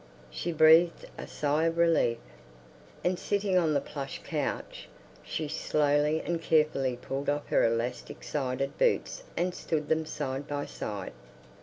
She breathed a sigh of relief, and sitting on the plush couch, she slowly and carefully pulled off her elastic sided boots and stood them side by side.